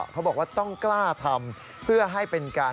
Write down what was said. เขาบอกว่าต้องกล้าทำ